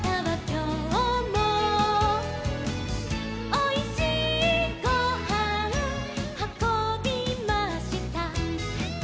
「おいしいごはんはこびました」